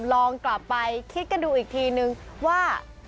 ลองกลับไปคิดกันดูอีกทีนึงว่า